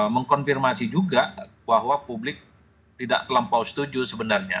mengkonfirmasi juga bahwa publik tidak terlampau setuju sebenarnya